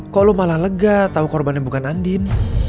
kok lo malah lega tahu korbannya bukan andin